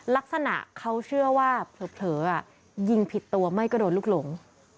ลักษณะเขาเชื่อว่าเผลอยิงผิดตัวไม่ก็โดนลูกหลง